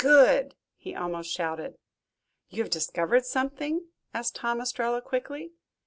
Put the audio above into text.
"Good!" he almost shouted. "You have discovered something?" asked Tom Ostrello quickly.